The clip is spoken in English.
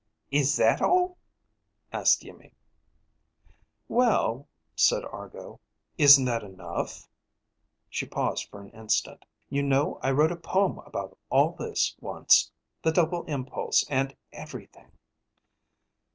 "Is that all?" asked Iimmi. "Well," said Argo, "Isn't that enough?" She paused for an instant. "You know I wrote a poem about all this once, the double impulse and everything."